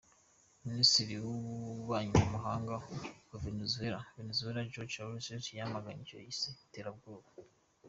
Minisitiri w’ ububanyi n’ amahanga wa Venezuela Venezuela Jorge Arreaza yamaganye icyo yise iterabwoba.